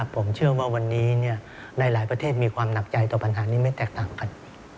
ผมเชื่อว่าวันนี้หลายประเทศมีความหนักใจต่อปัญหานี้ไม่แตกต่างกัน